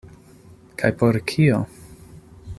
Kaj por kio?